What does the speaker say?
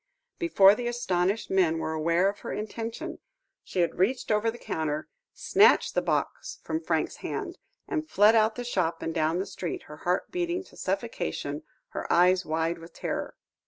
Before the astonished men were aware of her intention, she had reached over the counter, snatched the box from Franks's hand, and fled out of the shop and down the street, her heart beating to suffocation, her eyes wide with terror.